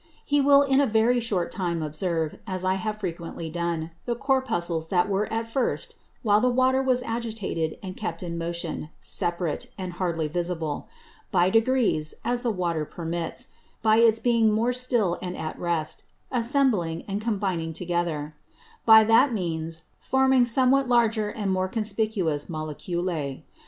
He will in a very short time observe, as I have frequently done, the Corpuscles that were at first, while the Water was agitated and kept in motion, separate, and hardly visible, by degrees, as the Water permits, by its becoming more still and at rest, assembling and combining together; by that means forming somewhat larger and more conspicuous Moleculæ.